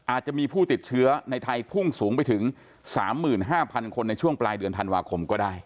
อาจจะมีผู้ติดเชื้อในไทยพุ่งสูงไปถึง๓๕๐๐คนในช่วงปลายเดือนธันวาคมก็ได้